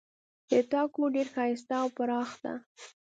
د تا کور ډېر ښایسته او پراخ ده